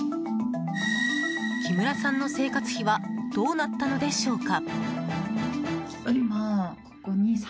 木村さんの生活費はどうなったのでしょうか？